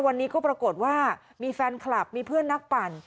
วันนี้ก็ปรากฏว่ามีแฟนคลับมีเพื่อนนักปั่น